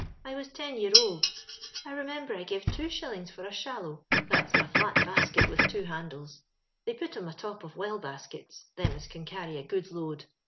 I was ten year old. I re member I give two shillings for a * shallow ;' that's a flat basket with two handles; they put 'em a top of * well baskets,' them as can carry a good load.